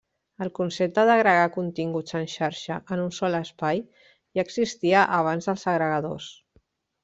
El concepte d'agregar continguts en xarxa en un sol espai ja existia abans dels agregadors.